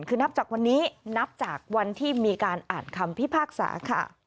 คือนับจากวันนี้นับจากวันที่มีการอ่านคำพิพากษาค่ะ